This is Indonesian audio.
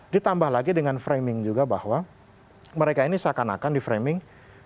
ditambah lagi dengan framing juga bahwa mereka ini seakan akan di framing